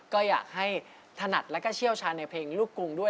ก็อยากให้ถนัดแล้วก็เชี่ยวชาญในเพลงลูกกรุงด้วย